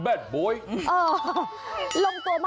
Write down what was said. หนังตะลุงแบทบอย